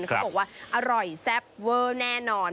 เขาบอกว่าอร่อยแซ่บเวอร์แน่นอน